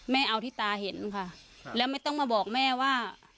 เอาที่ตาเห็นค่ะแล้วไม่ต้องมาบอกแม่ว่า